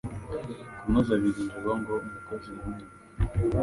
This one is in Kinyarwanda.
kunoza ibigenderwaho ngo umukozi yemerwe